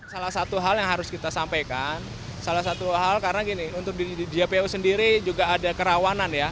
salah satu hal yang harus kita sampaikan salah satu hal karena gini untuk di jpo sendiri juga ada kerawanan ya